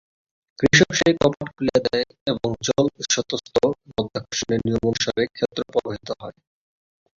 কৃষক সেই কপাট খুলিয়া দেয় এবং জল স্বতই মাধ্যাকর্ষণের নিয়মানুসারে ক্ষেত্রে প্রবাহিত হয়।